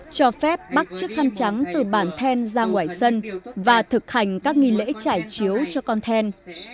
cho phép bắt chiếc khăn trắng từ bản then ra ngoài sân và thực hành các nghi lễ trải chiếu cho con then